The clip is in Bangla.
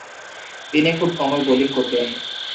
তিনি খুব কমই বোলিং করতেন।